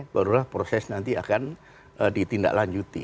barulah proses nanti akan ditindaklanjuti